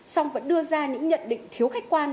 song vẫn đưa ra những nhận định thiếu khách quan